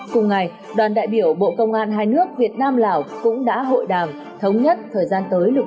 cùng ngày đoàn đại biểu bộ công an hai nước việt nam lào cũng đã hội đàm thống nhất thời gian tới